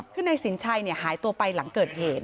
คือนายสินชัยหายตัวไปหลังเกิดเหตุ